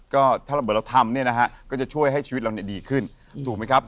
ก็เมื่อเราทำเนี่ยนะฮะก็จะช่วยให้ชีวิตเราดีขึ้นถูกมั้ยครับ